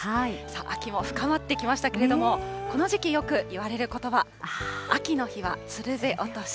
秋も深まってきましたけれども、この時期よく言われることば、秋の日はつるべ落とし。